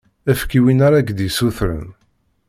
Efk i win ara k-d-issutren.